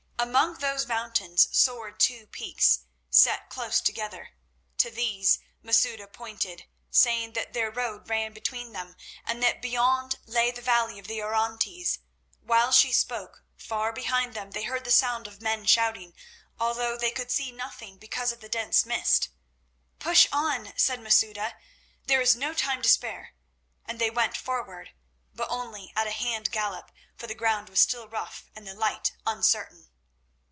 Among those mountains soared two peaks, set close together. To these Masouda pointed, saying that their road ran between them, and that beyond lay the valley of the Orontes. While she spoke, far behind them they heard the sound of men shouting, although they could see nothing because of the dense mist. "Push on," said Masouda; "there is no time to spare," and they went forward, but only at a hand gallop, for the ground was still rough and the light uncertain.